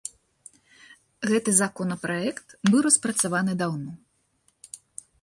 Гэты законапраект быў распрацаваны даўно.